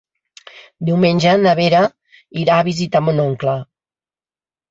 Diumenge na Vera irà a visitar mon oncle.